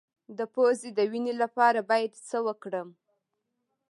د پوزې د وینې لپاره باید څه وکړم؟